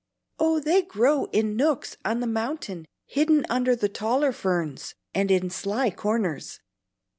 "Oh, they grow in nooks on the mountain hidden under the taller ferns, and in sly corners.